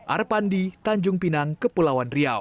arpandi tanjung pinang kepulauan riau